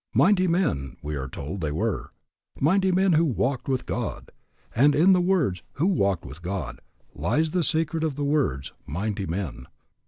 Mighty men, we are told they were, mighty men who walked with God; and in the words "who walked with God" lies the secret of the words "mighty men."